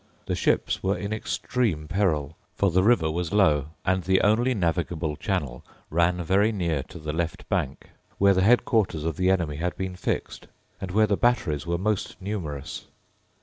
The ships were in extreme peril: for the river was low; and the only navigable channel Tan very near to the left bank, where the head quarters of the enemy had been fixed, and where the batteries were most numerous.